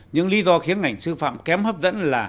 những lý do khiến ngành sư phạm kém hấp dẫn là